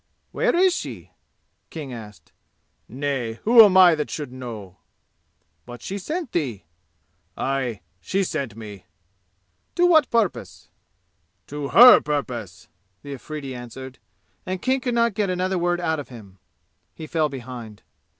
"Where is she?" King asked. "Nay, who am I that I should know?" "But she sent thee?" "Aye, she sent me." "To what purpose?"' "To her purpose!" the Afridi answered, and King could not get another word out of him. He fell behind.